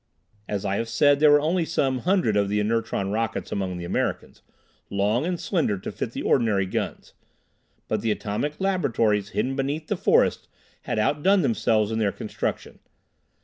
As I have said, there were only some hundred of the inertron rockets among the Americans, long and slender, to fit the ordinary guns, but the atomic laboratories hidden beneath the forests, had outdone themselves in their construction.